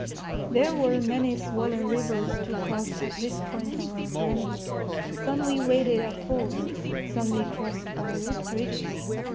There were many swollen rivers to cross at this point of our journey. Some we waded at fords. Some we crossed by rude bridges.